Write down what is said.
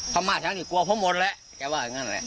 เขามานี่กลัวพอหมดล่ะแกก็ว่าอย่างนั้นแหละ